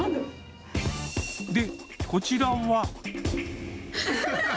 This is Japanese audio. で、こちらは。